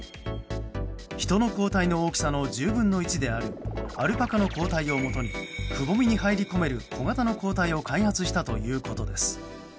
ヒトの抗体の大きさの１０分の１であるアルパカの抗体をもとにくぼみに入り込める小型の抗体を開発したということです。